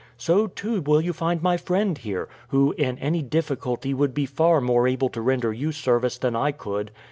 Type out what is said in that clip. So, too, will you find my friend here, who in any difficulty would be far more able to render you service than I could.